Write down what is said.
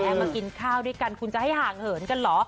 มากินข้าวด้วยกันคุณจะให้ห่างเหินกันเหรอ